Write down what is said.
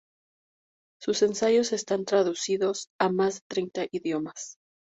Sus ensayos están traducidos a más de treinta idiomas.